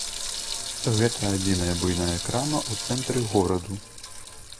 Гэта адзіная буйная крама ў цэнтры гораду.